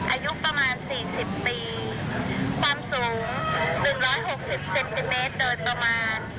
อายุประมาณ๔๐ปีความสูง๑๖๐เซนติเมตรเดินประมาณ